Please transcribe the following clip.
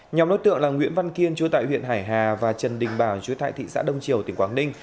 nhóm đối tượng là nguyễn văn kiên chú tại huyện hải hà và trần đình bảo chú tại thị xã đông triều tỉnh quảng ninh